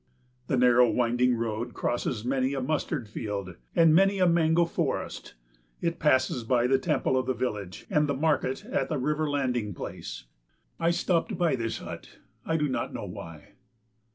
The narrow winding road crosses many a mustard field, and many a mango forest. It passes by the temple of the village and the market at the river landing place. I stopped by this hut, I do not know why.